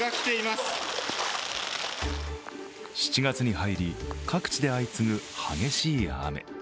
７月に入り、各地で相次ぐ激しい雨。